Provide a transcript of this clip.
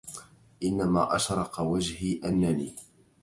إنما أشرق وجهي أنني